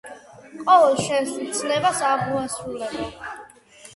ყოველ შენს მცნებას აღვასრულებო.